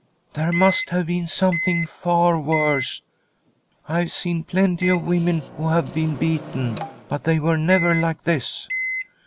r ' There must have been something far worse. I've seen plenty of women who have been beaten, but they were, never like this.